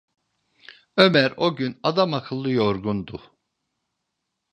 Ömer o gün adamakıllı yorgundu.